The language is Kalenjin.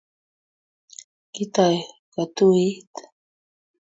Kitoy kotuit